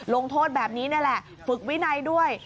ลงโทษแบบนี้นี่แหละฝึกวินัยด้วย